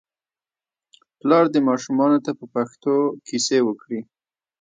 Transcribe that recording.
پلار دې ماشومانو ته په پښتو کیسې وکړي.